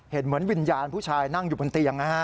เห็นเหมือนวิญญาณผู้ชายนั่งอยู่บนเตียงนะฮะ